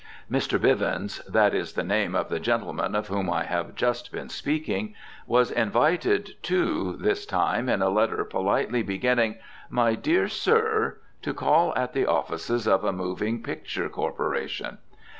Mr. Bivens, that is the name of the gentleman of whom I have just been speaking, was invited, too, this time in a letter politely beginning "My Dear Sir," to call at the offices of a moving picture "corporation."